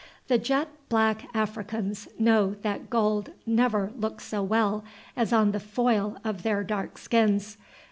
The jet black Africans know that gold never looks so well as on the foil of their dark skins.